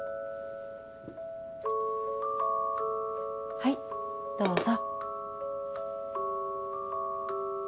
はいどうぞ。